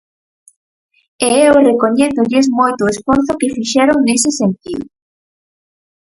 E eu recoñézolles moito o esforzo que fixeron nese sentido.